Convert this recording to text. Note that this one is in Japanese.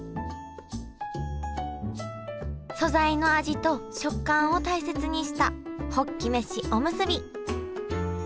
素材の味と食感を大切にしたホッキ飯おむすび。